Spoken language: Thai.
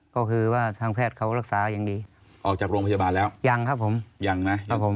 ก็คือว่าทางแพทย์เขารักษาอย่างดีออกจากโรงพยาบาลแล้วยังครับผมยังนะครับผม